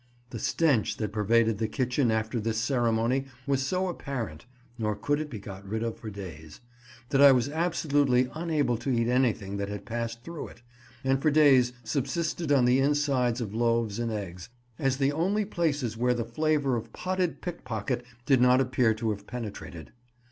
The stench that pervaded the kitchen after this ceremony was so apparent (nor could it be got rid of for days) that I was absolutely unable to eat anything that had passed through it, and for days subsisted on the insides of loaves and eggs, as the only places where the flavour of potted pickpocket did not appear to have penetrated.